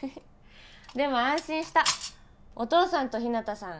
でも安心したお父さんと日向さん